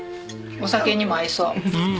お酒にも合いそう。